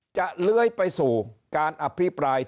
จะเลื้อยไปสู่การอภิปรายที่เป็นจริงแล้วเนี่ย